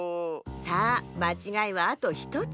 さあまちがいはあと１つ。